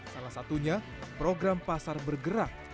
salah satunya program pasar bergerak